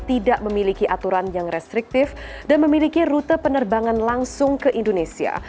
tidak memiliki aturan yang restriktif dan memiliki rute penerbangan langsung ke indonesia